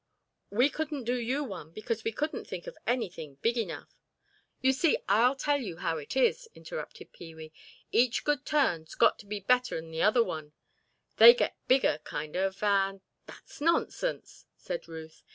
We couldn't do you one because we couldn't think of anything big enough——" "You see, I'll tell you how it is," interrupted Pee wee, "each good turn's got to be better than the other one—they get bigger—kind of, and——" "That's nonsense," said Ruth.